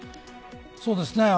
そうですね。